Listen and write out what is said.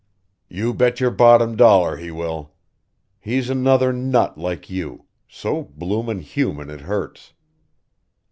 "You bet your bottom dollar he will. He's another nut like you so bloomin' human it hurts."